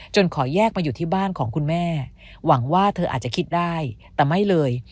ขอแยกมาอยู่ที่บ้านของคุณแม่หวังว่าเธออาจจะคิดได้แต่ไม่เลย